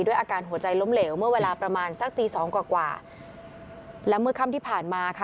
อาการหัวใจล้มเหลวเมื่อเวลาประมาณสักตีสองกว่ากว่าและเมื่อค่ำที่ผ่านมาค่ะ